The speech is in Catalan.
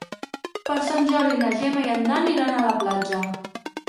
Per Sant Jordi na Gemma i en Dan iran a la platja.